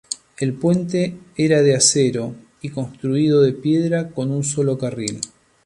El puente era de acero y construido de piedra con un solo carril.